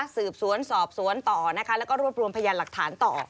สืบสวนสอบสวนต่อนะคะแล้วก็รวบรวมพยานหลักฐานต่อ